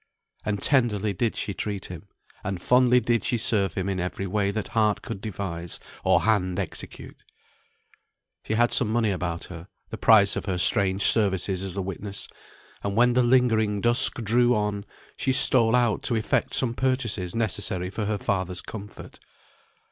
And tenderly did she treat him, and fondly did she serve him in every way that heart could devise, or hand execute. She had some money about her, the price of her strange services as a witness; and when the lingering dusk drew on, she stole out to effect some purchases necessary for her father's comfort.